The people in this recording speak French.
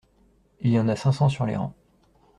Il y en a cinq cents sur les rangs.